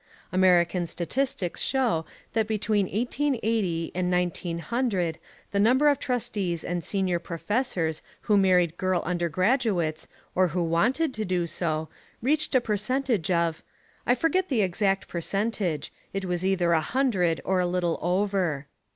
American statistics show that between 1880 and 1900 the number of trustees and senior professors who married girl undergraduates or who wanted to do so reached a percentage of, I forget the exact percentage; it was either a hundred or a little over.